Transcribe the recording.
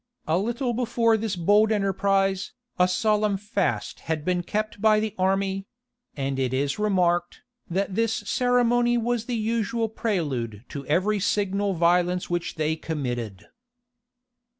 A little before this bold enterprise, a solemn fast had been kept by the army; and it is remarked, that this ceremony was the usual prelude to every signal violence which they committed.